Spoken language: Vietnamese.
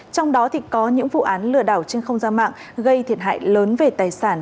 trong đó có những vụ án lừa đảo trên không gian mạng gây thiệt hại lớn về tài sản